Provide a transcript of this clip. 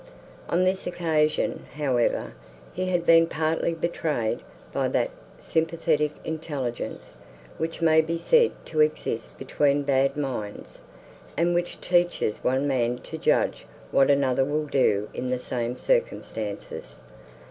On this occasion, however, he had been partly betrayed by that sympathetic intelligence, which may be said to exist between bad minds, and which teaches one man to judge what another will do in the same circumstances.